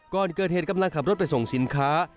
ก่อนเกิดเหตุกำลังขับรถไปส่งสินค้า